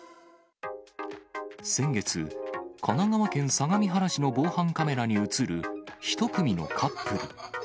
先月、神奈川県相模原市の防犯カメラに写る１組のカップル。